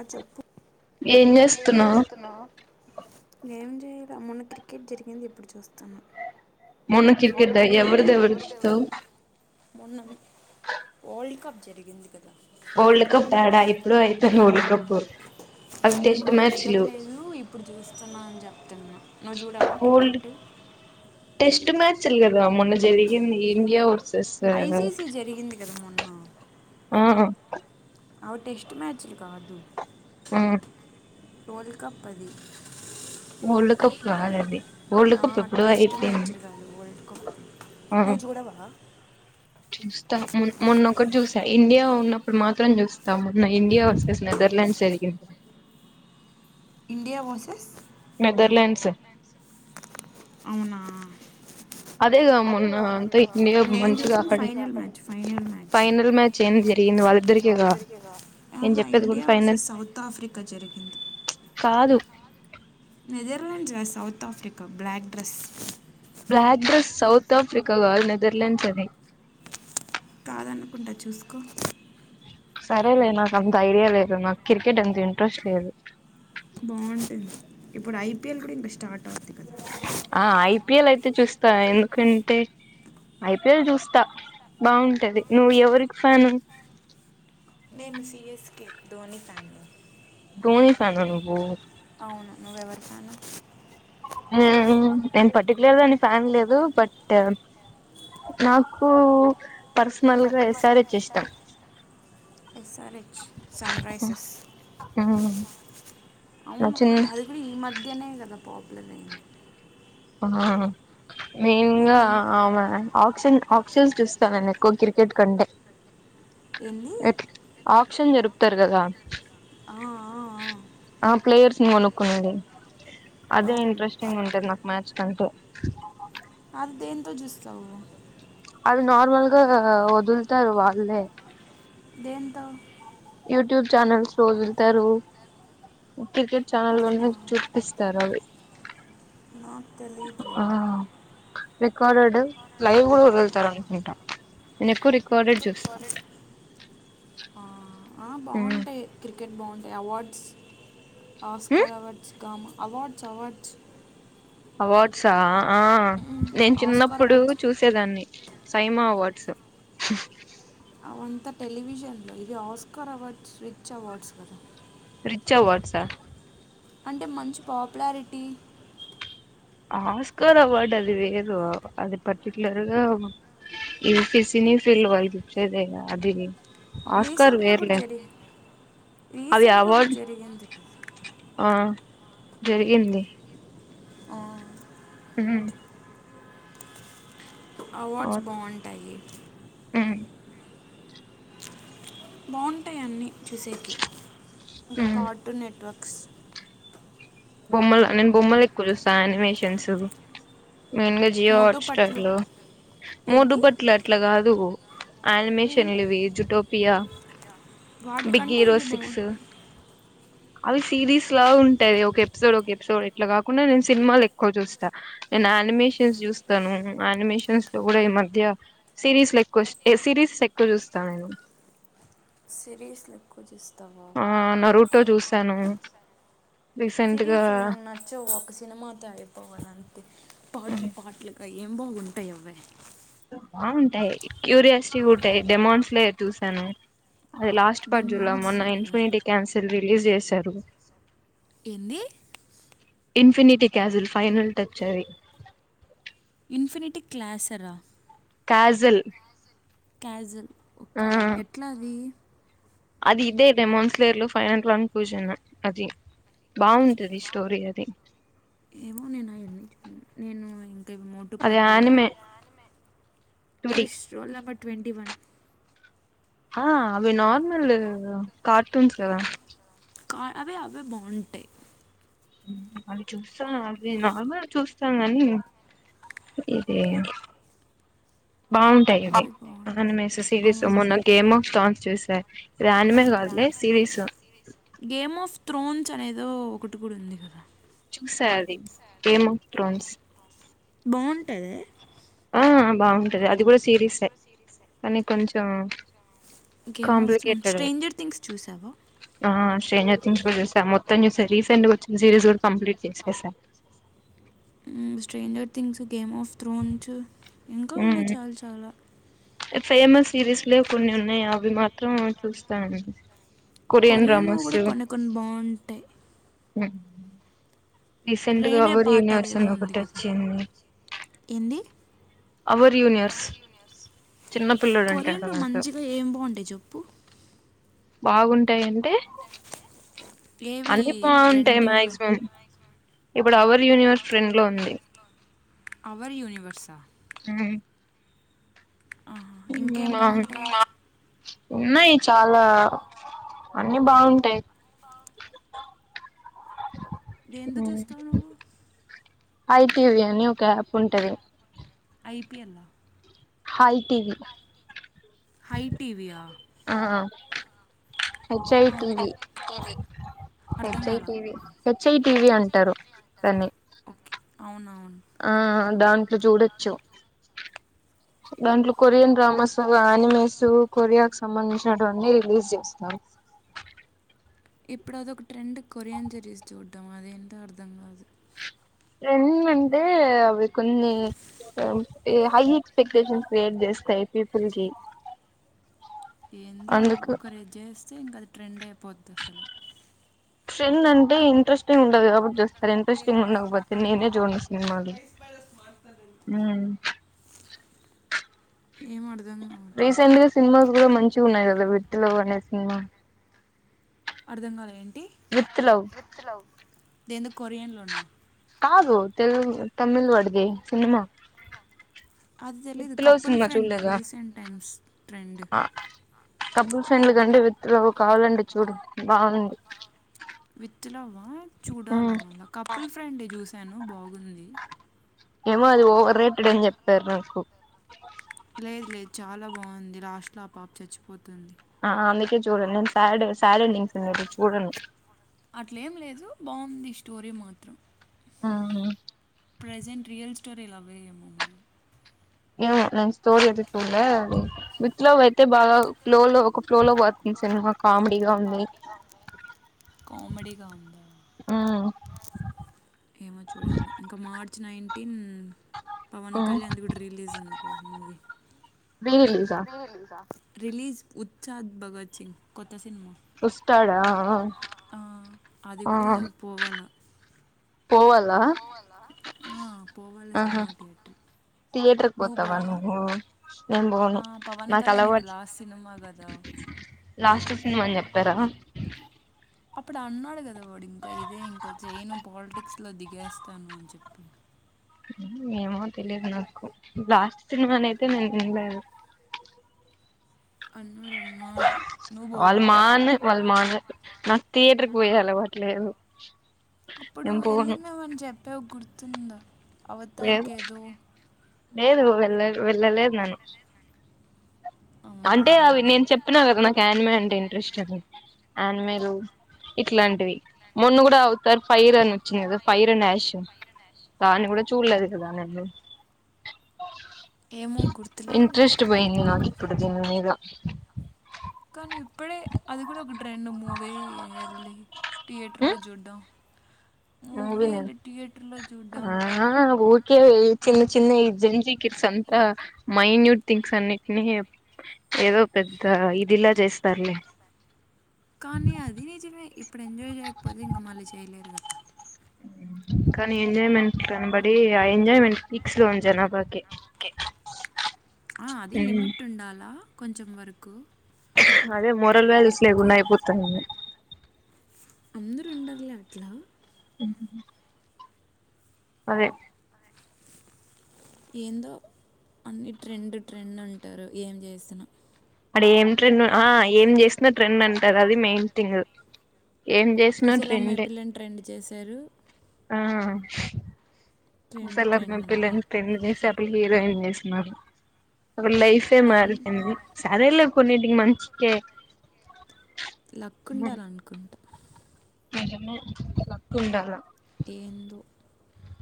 ఆ చెప్పు ఏం చేస్తున్నావు ఏం చేయలే మొన్న క్రికెట్ జరిగింది ఇప్పుడు చూస్తున్నా మొన్న క్రికెట్ దా ఎవర్ధి ఎవర్తో మొన్నవి వరల్డ్ కప్ జరిగింది కదా వరల్డ్ కప్ ఆడా ఎప్పుడో అయిపోయింధి వరల్డ్ కప్పు అది మొన్న కుదరలేదు ఇప్పుడు చూస్తున్నా అని చెప్తున్నా నువ్వు చూడవా వరల్డ్ క్రికెట్ టెస్ట్ మ్యాచ్లు కదా మొన్నా జ్ జరిగింధి ఇండీయా వర్స ఐసిసి జరిగింది కదా మొన్ ఆ అవి టెస్ట్ మ్యాచ్లు కాదు ఆ వోల్డ్ కప్ అధి వర్ల్డ కప్ కాధు అది ఆ టీస్ట్ మ్యాచ్లు కాదు వరల్డ్ కప్ ఆ నువ్ చూడవా చూస్తా మొన్ మొన్నొకటి చూసా ఇండియా ఉన్నప్పుడు మాత్రం చూస్తా మొన్న ఇండియా వర్సస్ నెదర్లాండ్ జరిగింది ఇండియా వోర్సెస్ నెదర్ల్యాండ్స్ అవునా అదేగా అధే మొన్న గా అంతా ఇండియా నేను మంచిగా చూసా ఆడే ఫైనల్ మ్యాచ్ ఫైనల్ మ్యాచ్ ఏం జరిగింది వాళ్ళిద్దరికేగా నేను ఆహ చెప్పేది కూడా India final versus South Africa జరిగింది కాదు నెదర్లాండ్స్ కాద్ South Africa black dress black dress South Africa కాదు నెదర్లాండ్స్ అది ద అనుకుంటా చూసుకో సరేలే నాకు అంత ఐడియా లేదు నాకు క్రికెట్ అంత ఇంట్రెస్ట్ లేదు బాగుంటుంది ఇప్పుడు ఐపిఎల్ కూడా ఇంక స్టార్ట్ అవుద్ది ఆ ఐపీఎల్ అయితే చూస్తా ఎందుకంటే ఐపీఎల్ చూస్తా బాగుంటది నువ్వు ఎవరికి ఫ్యాను నేను సియస్కె ధోని ఫ్యాన్ ని ధోని ఫ్యాన్ ఆ నువ్వు అవును నువ్వెవరి ఫ్యాను నేను పర్టికులర్ గా ఫ్యాన్ లేదు బట్ నాకు పర్సనల్ గా యెస్ ఆర్ హెచ్ ఇష్టం S R H Sunrisers నా అవును చిన్న అది కూడా ఈ మధ్యనే కథా ప్రాబ్లమే ఆ మెయిన్గా ముందంత ఆమె ఆన్ ఆక్షన్ చూస్తాను నేను ఎక్కువ క్రికెట్ కంటే ఏంది ఆక్షన్ జరుపుతారు కదా ఆ ఆ ఆ ప్లేయర్స్ని కొనుక్కునేది ఆ. అదే ఆ, ఇంట్రెస్టింగ ఉంటది నాకు మ్యాచ్ కంటే అద్ దేంతో చూస్తావు అవి నార్మల్గా వదుల్తారు వాళ్ళే దేంతో యూట్యూబ్ ఛానల్స్ లొ వదుల్తారు క్రికెట్ అవునా ఛానలోనే చూపిస్తారు అవి నాకు తెలిదు లే ఆ రికార్డెడ్ లైవ్ కూడా వదులుతారు అనుకుంటా నేను ఎక్కువ రికార్డెడ్ చూస్తాను ఆ, ఆ బావుంటాయి క్రి క్రికెట్ బాగుంటయి awards Oscar awards gamma awards awards అవార్డ్సా ఆ ఆ మ్మ్. నేను ఆస్కార్ చిన్నప్పుడు అవార్డ్స్ చూసేదాన్ని సైమా అవార్డ్స్ హు అవంతా టెలివిజన్లో ఇవి ఆస్కార్ అవార్డ్స్ స్విచ్ అవార్డ్స్ కదా స్విచ్ అవార్డ్స్ ఆ అంటే మంచి పాపులారిటీ ఆస్కార్ అవార్డ్ అది వేరు అది పర్టిక్యులర్ గా ఈ సినీ ఫీల్డ్ వాళ్లకి ఇచ్చేదే గా అది ఆస్కార్ రీసెంట్గా కూడా వేర్లే జరిగి అది రీసెంట్గా కూడా అవార్డ్ జరిగింది ఆ జరిగింది ఆ, హ్ అవార్డ్స్ బావుంటాయి హ్మ్ బావుంటాయి అన్నీ చుసేక్కి ఓ ఉమ్ కార్టూన్ నెట్వర్క్ బొమ్మలు నేను బొమ్మలు ఎక్కువ చూస్తా అనిమేషన్సు మెయిన్ గా జియో మోటు హోస్టర్ పట్లు లో మోటు ఏంది పట్లు అట్లా కాదు ఉమ్, అనిమేషన్ల్ ఇవి ఇచ్తటో పియా వాటికంటే ఇవి బావుం అవి సిరీస్ లా ఉంటాయి ఒకే అస్సల్ ఒక ఎపిసోడ్ ఇట్ల కాకుండా నేన్ సినిమల్ ఎక్కువ జుస్తా నేన్ నా అనిమేషన్స్ జుస్తా ను అనిమేషన్స్ లో గూడా ఈమద్య సిరీస్లు ఎక్కువ ఇష్ సిరీసెస్ ఎక్కువ జుస్తా నేను సిరీస్లక్కుచుస్త ఆ న్నరు టో చూసాను రీసెంట్ గా సిరీస్ నా నచ్చవు ఒక సినిమాతో అయిపోవాలంతే పాట్లు పాట్లు ఏం బావుంటాయి అవే బాగుంటాయి క్యూరియాసిటీ కూడాట్టాయి డెమౌండ్స్ లే చూసాను అది లాస్ట్ పార్ట్ జుల్లమ్ డెమాన్స్ నా గారు ఇన్ఫినిటీ క్యాన్సిసల్ రీ లీస్ చేసారు ఏంది ఇన్ఫనిటీ క్యాజల్ ఫైనల్ టచ్ అది ఇన్ఫనిటీ క్లాసరా కాజల్ కజి ఓకే ఎట్లాది అది ఇదే రెమోన్స్లేర్ లో ఫైనల్ వన్ పూజన్ అది బాగుంటది స్టోరీ అది ఎన్నో మోట అది పట్లు ఆనిమే టుడి క్రిష్ రూల్ నెంబర్ ట్వీ ట్వంటీ వన్ ఆ అవి నార్మల్ కార్టూన్స్దా కా అవి అవి బాగుంటాయి అవి చూస్తా అవి నార్మల్ చూస్తా కాని ఇది బాగుంటాయి అవి అవే బాగుంటాయి ఆన మస్ సిరీస్ అవును మొన్న గేమ్ ట్రోన్స్ చూస దే దాన్ని కాలే సిరీస్ చే అనేదో ఒకటి కూడా ఉంది కదా సాది గేమ్ ఆఫ్ త్రోన్స్ బాగుంటాది ఆ బాగుంటది అది కూడా సిరిసె కానీ కొంచెం ఆ game of Thrones stranger things చూసావా స్ట్రాంజర్ థింగ్స్ కుడా చూసా మొత్తం చూస రీసెంట్ గా వచ్చిన సిరీస్ కూడా కంప్లీట్ చేసేసా హ్మ్ stranger things game of thrones ఇంకా ఉన్నాయి చాలా చాలా ఫేమస్ సిరీస్లు కొన్ని ఉన్నాయి అవి మాత్రం చూస్తాను కొరియన్ కొరియా డ్రామాస్ ను్వులు కొన్ని కొన్ని బావుంటాయి అ రీసెంట్ గా రేనే ఎవర్ పాట యూనివర్స్ అదేదో అని ఉంది ఒకటి కదా వచ్చింది ఏంది అవర్ యూనియర్స్ కొరియన్లో మంచిగా ఏం బాగుంటాయి చెప్పు బాగుం ఉంటాయి అంటే ఏవి అన్ని బాగుంటాయి ట్రెండింగ్లో మాక్సిమం ఇప్పుడు అవర్ యూనివర్స్ ట్రాండ్ లో ఉంది అవర్ యూనివర్సా ఆహా ఇంకేం బాగుంటయి ఉన్నాయి చాలా అని బాగుంటాయి దేన్లో చూస్తావ్ నువ్వు ఐటివీ అని ఒక యాప్ ఉంటుంది యాల హాయి టీవీ హై టీవీయా హ హచ్ ఐ టివి అర్థం కాల హెచ్ఐటి చ్చై టీవి అంటారు దన్ని అవునవును ఆ దాంట్లో చూడొచ్చు దాంట్లో కొరియన్ డ్రామాస్ అనిమేస్ కొరియాకు సంబంధించినటువన్న రిలీజ్ చేసినారు ఇప్పుడు అదొక ట్రెండ్ కొరియన్ సిరీస్ చూడ్టం అదేంటో అర్థం కాదు ట్రాండ్ అంటే అవి కొన్ని హై ఎక్స్పెక్టేషన్ క్రియేట్ చేస్తాయి పీపుల్ కి ఏందో అందుకు ఒకరేద్ చేస్తే ఇంకది ట్రెండ్ అయిపోద్ది అసలు ట్రెండ్ అంటే ఇంట్రెస్ట్ంగ్ ఉండదు కాబట్టి సలు ఇంట్రెస్టింగ్ ఉండకపోతే నేనే చూడ్ను సినిమాలు ఏం అర్థం కావట్లే రీసెంట్ గ సినిమాస్ కూడ మ చూ ఉన్నయ్ కదా విత్ లవ్ అనే సినిమా అర్థం కాలే ఏ విత్ లవ్ దేందో కొరియన్లోన కాదు తెల్గ్ తమిళ్ వాడిది, సినిమా అది తెలీదు విత్ లవ్ కపుల్ సినిమా ఫ్రెండ్ చూలేద? Recent times trend couple friend friend with love కావలంటే చూడు బావుంది. విత్ లవ్ ఆ చూడాల మల కపుల్స్ ఫ్రండి చూసను బాగ్ ఉంది ఏమో అది ఓవర్ రేటెడ్ అని చెప్పారు నాకు లేద్ లేద్ చాలా బాగుంది. లాస్ట్ లో ఆ పాప చచ్చిపోతుంది. ఆ అందుకే చూడను నేన్ సాడ్ స్ సాడ్ ఎండింగ్స్ ఉన్నేటివి చూడను. అట్లేం లేదు బాగుంది స్టోరీ మాత్రం ఆ ప్రజెంట్ రియల్ స్టోరీలా లవ్ ఏ ఏమో మరి ఏమో నేను స్టోరీ అయితే చూడలే అది. విత్ లవ్ అయితే బాగా ఫ్లో లో ఒక ఫ్లోలో పో కామెడీ గా ఉందా? ఏమో చూడాల ఇంక మార్చ్ నైన్ ఇన్ పవన్ కళ్యాణ్ది కూడా రిలీజ్ ఉంది కదా మూవీ. రీ రిలీజా మీ రిలీజ్ ఉచ్చాద్ భగత్ సింగ్ కొత్ త్త సిన్మా ఆఆ ఆ కూడా పోవాలా పోవాల? ఆ, పోవాలా ఆహ సినిమా థియేటర్ థియేటర్కి నువ్వు పోతావా పోవా నువ్వు? నేన్ బోను ఆ, పవన్ నాకు కళ్యాణ్ ఇంకా అలవాట్, లాస్ట్ సినిమా కదా లాస్ట్ సినిమ అన్ చెప్పారా? అప్పుడు అన్నాడు కదా వాడు ఇంక ఇదే ఇంకా చేయను పాలిటిక్స్లో దిగేస్తాను అన్ చెప్పి. ఏమో తెలిదు నాకు. లాస్ట్ సినిమానినైతే నేన్ ఇన్లేదు. అన్నాడు అన్నాడు నువ్వు వాల్ పోవా మాన్ వాల్ మాన్ నాకు తియేటర్ పోయే అలవాట్లేదు. అప్పుడూ ఎళ్ళినవని చెప్పావ్ గుర్ తుంద లేదు అవత్తార్కేదు లేదు వెళ్ళ వెళ్ళలేదు నేను అవునా అంటే అవి నేన్ చెప్పిన గదా నాకు ఆన్మె అంటే ఇంట్రెస్ట్ అని ఆనిమేలూ ఇట్లాంటివి, మొన్న గూడా అవుతార్ పైర్ అని వచ్చింది గదా, ఫైర్ నాషన్ దాన్ని కూడా చూడ్లేదు గదా నన్ను ఏమో గుర్తులేదు ఇంట్రెస్ట్ పోయింది నాకి ఇప్పుడు దీని మీద కానీ ఇప్పుడే, అది కూడా ఒక ట్రెండ్ మూవీ ఎళ్ళి టియేటర్లో చూడ్డం. మూవి మూవీ నేనేం వెళ్ళి థియేటర్లో చూడ్డం ఆ వో కే చిన్న చిన్న ఈ జంజీకిర్స్ అంతా, మైన్యూట్ థింగ్స్ అన్నిట్ని ఏదో పెద్ద ఇదిలా చేస్తారులే. కానీ అది నిజమే ఇప్పుడు ఎంజాయ్ చేయకపోతే ఇంకా మళ్ళీ చేయలేరు కదా కానీ ఎంజాయ్మెంట్ కనబడీ, ఆ ఎంజాయ్మెంట్ పీక్స్ లో ఉంది జనాభాకి. ఆ అది లిమిట్ ఉండాలా కొంచెం వరకు అదే మోరల్ వ్యాల్యూస్ ఎక్కువ లేకుండా అయిపోతంది అందరుండర్లే అట్లా ఉహుహు అదే ఏందో అన్ని ట్రెండ్ ట్రెండ్ అంటారు ఏం చేస్తున అడి ఏం ట్రెండ్ ఆ ఏం జేసిన ట్రెండ్ అంటారు అది మెయిన్ థింగ్ ఏం ఆ చేసినా పూసలు అమ్మే ట్రెండే పిల్లని ట్రెండ్ చేసారు ఆ ట్రెండ్ పూసలు అమ్మే ట్రెండ్ పిల్లని అంటారు ట్రెండ్ చేసార్ ప్రి హీరోయిన్ జేస్తున్నారు ఒక లైఫే ఏం మారిపొయింది సరేలే కొన్నిటికి మంచికే లక్క్ ఉండాలనుకుంటా నిజమే లక్క్ ఉండాల ఏందొ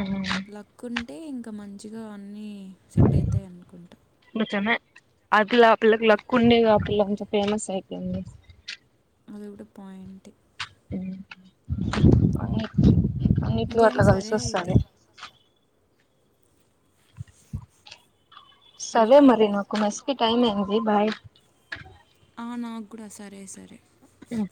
ఉమ్ లక్కున్ టే ఇంక మంచిగా అన్నీ సెట్ అయితై అనుకుంట అట్లా ఆ పిల్లకి లక్కుండేగా పిల్ల అంత ఫేమస్ అయిపోయింది అది గూడా పాయింటె ఊ ఫన్ని అన్నిట్లో ఇంకేం అట్ల సరే అయితే కలిసోస్తాది హలో సరే మరి నాకు మెస్ కి టైమ్ అయింది బాయ్ ఆ నాగుడా సరే సరే ఉమ్